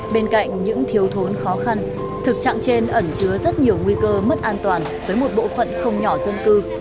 bên cạnh những thiếu thốn khó khăn thực trạng trên ẩn chứa rất nhiều nguy cơ mất an toàn với một bộ phận không nhỏ dân cư